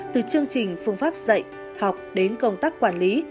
từ chương trình phương pháp dạy học đến công tác quản lý